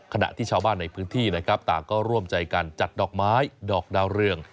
ขณะที่ชาวบ้านในพื้นที่นะครับต่างก็ร่วมใจกันจัดดอกไม้ดอกดาวเรือง